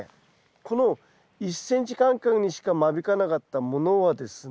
この１ｃｍ間隔にしか間引かなかったものはですね